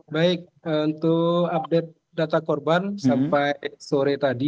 baik untuk update data korban sampai sore tadi